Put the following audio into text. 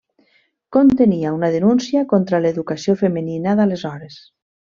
Contenia una denúncia contra l'educació femenina d'aleshores.